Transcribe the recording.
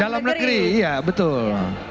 dalam negeri iya betul